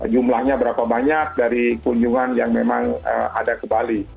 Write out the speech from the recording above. jumlahnya berapa banyak dari kunjungan yang memang ada ke bali